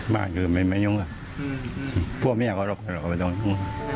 บ้านคือไม่ยุ่งพวกเมียก็รับเข้าไปตรงนี้